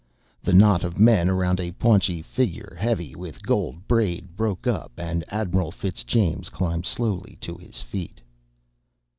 The knot of men around a paunchy figure heavy with gold braid broke up and Admiral Fitzjames climbed slowly to his feet.